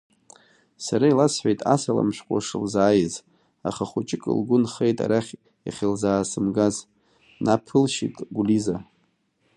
Сара иласҳәеит асаламшәҟәы шылзааиз, аха хәыҷык лгәы нхеит арахь иахьылзаасымгаз, наԥылшьит Гәлиза.